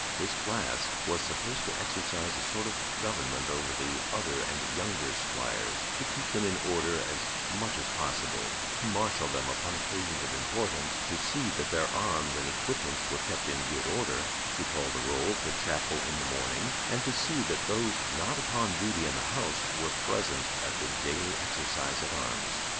This class was supposed to exercise a sort of government over the other and younger squires to keep them in order as much as possible, to marshal them upon occasions of importance, to see that their arms and equipments were kept in good order, to call the roll for chapel in the morning, and to see that those not upon duty in the house were present at the daily exercise at arms.